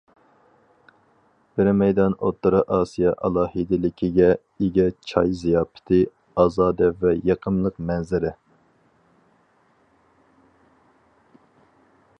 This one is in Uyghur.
بىر مەيدان ئوتتۇرا ئاسىيا ئالاھىدىلىكىگە ئىگە چاي زىياپىتى، ئازادە ۋە يېقىملىق مەنزىرە.